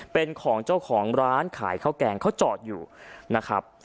เป็นของเจ้าของร้านขายข้าวแกงเขาจอดอยู่นะครับ